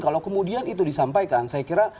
kalau kemudian itu disampaikan saya kira